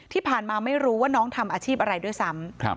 ที่ผ่านมาไม่รู้ว่าน้องทำอาชีพอะไรด้วยซ้ำ